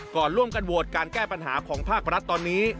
ก่อนร่วมกันโหวตการแก้ปัญหาของภาครัฐตอนนี้